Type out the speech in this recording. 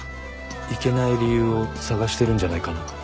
行けない理由を探してるんじゃないかな。